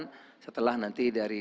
dan setelah nanti dari